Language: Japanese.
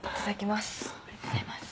ありがとうございます。